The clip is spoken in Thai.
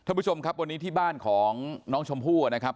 ท่านผู้ชมครับวันนี้ที่บ้านของน้องชมพู่นะครับ